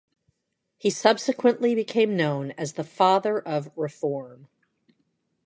He subsequently became known as the Father of Reform.